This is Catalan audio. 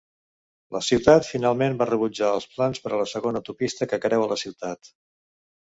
La ciutat finalment va rebutjar els plans per a la segona autopista que creua la ciutat.